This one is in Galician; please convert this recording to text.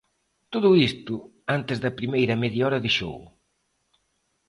Todo isto, antes da primeira media hora de xogo.